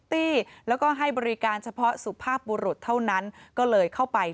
ตี้แล้วก็ให้บริการเฉพาะสุภาพบุรุษเท่านั้นก็เลยเข้าไป